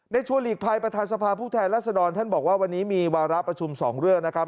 ในชั่วหลีกภัยประธานสภาพุทธแหลศดรท่านบอกว่าวันนี้มีวาระประชุม๒เรื่องนะครับ